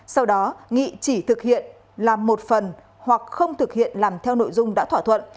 sau đó nghị chỉ thực hiện làm một phần hoặc không thực hiện làm theo nội dung đã thỏa thuận